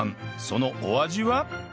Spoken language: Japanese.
そのお味は？